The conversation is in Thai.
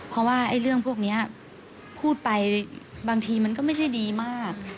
เพราะว่าเรื่องพวกนี้พูดไปบางทีมันก็ไม่ใช่ดีมาก